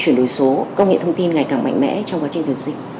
chuyển đổi số công nghệ thông tin ngày càng mạnh mẽ trong quá trình tuyển sinh